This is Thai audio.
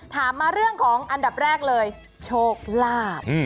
ถามมาเรื่องของอันดับแรกเลยโชคลาภ